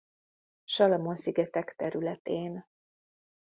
Salamon-szigetek területén.